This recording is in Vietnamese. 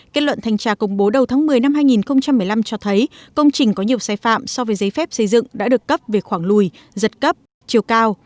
kết luận thanh tra công bố đầu tháng một mươi năm hai nghìn một mươi năm cho thấy công trình có nhiều sai phạm so với giấy phép xây dựng đã được cấp về khoảng lùi giật cấp chiều cao